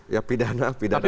ya pidana pidana umum